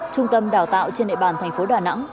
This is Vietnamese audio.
trung tâm đào tạo trên nệ bàn tp đà nẵng